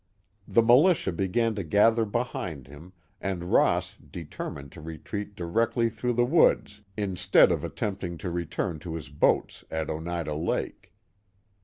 The militia began to gather behind him, and Ross determined to retreat directly through the woods instead of attempting to return to his boats at Oneida Lake.